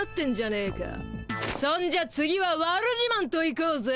そんじゃ次はわる自まんといこうぜ。